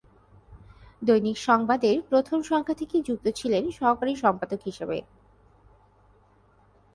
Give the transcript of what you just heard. দৈনিক সংবাদ-এর প্রথম সংখ্যা থেকে যুক্ত ছিলেন সহকারী সম্পাদক হিসেবে।